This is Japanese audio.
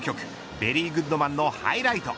ベリーグッドマンのハイライト。